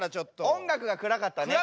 音楽が暗かったね。